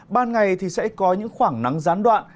ban ngày thì sẽ có những khoảng nắng gián đoạn